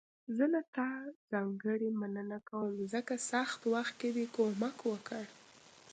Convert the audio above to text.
زه له تا ځانګړي مننه کوم، ځکه سخت وخت کې دې کومک وکړ.